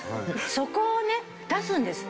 そこをね出すんです。